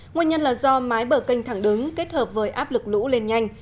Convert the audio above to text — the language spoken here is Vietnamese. nguyên nhân là do mái bờ kênh thẳng đứng kết hợp với áp lực lũ lên nhanh